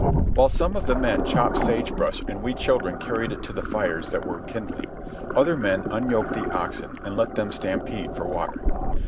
While some of the men chopped sage brush and we children carried it to the fires that were kindling, other men unyoked the oxen and let them stampede for water.